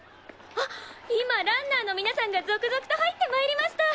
あっ今ランナーのみなさんが続々と入ってまいりました！」。